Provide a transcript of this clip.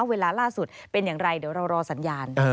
เวลาล่าสุดเป็นอย่างไรเดี๋ยวเรารอสัญญาณ